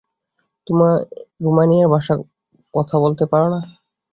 তুমি রোমানিয়ান ভাষায় কথা বলতে পারো না?